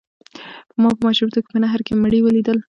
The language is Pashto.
ما په ماشومتوب کې په نهر کې مړي ولیدل.